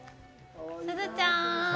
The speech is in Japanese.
すずちゃーん。